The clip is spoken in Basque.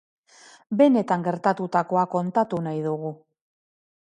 Benetan gertatutakoa kontatu nahi dugu.